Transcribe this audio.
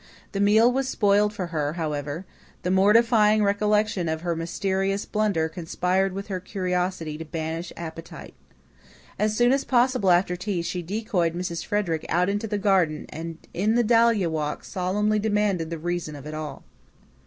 The meal was spoiled for her, however; the mortifying recollection of her mysterious blunder conspired with her curiosity to banish appetite. As soon as possible after tea she decoyed Mrs. Frederick out into the garden and in the dahlia walk solemnly demanded the reason of it all.